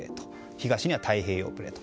東には太平洋プレート。